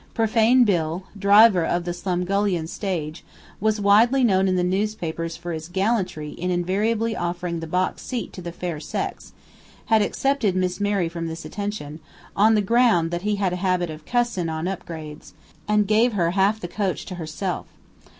"Profane Bill," driver of the Slumgullion Stage, widely known in the newspapers for his "gallantry" in invariably offering the box seat to the fair sex, had excepted Miss Mary from this attention, on the ground that he had a habit of "cussin' on upgrades," and gave her half the coach to herself.